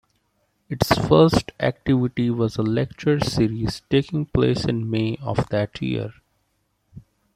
Its first activity was a lecture series taking place in May of that year.